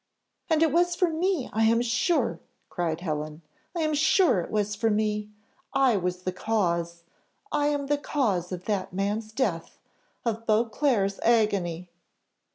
"And it was for me, I am sure," cried Helen, "I am sure it was for me! I was the cause! I am the cause of that man's death of Beauclerc's agony."